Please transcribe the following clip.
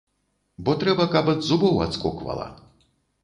Бо трэба, каб ад зубоў адскоквала!